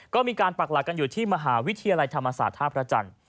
ก็มีการปักหลักกันอยู่ที่มหาวิทยาลัยธรรมศาสตร์ท่าพระจันทร์